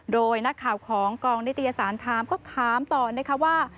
โดยนักข่าวของกองนิตยสารถามก็ถามต่อนะคะว่า